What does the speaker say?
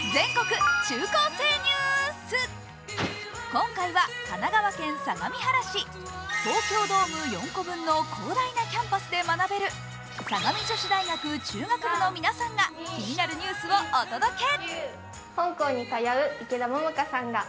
今回は神奈川県相模原市東京ドーム４個分の広大なキャンパスで学べる相模女子大学中等部の皆さんが気になるニュースをお届け。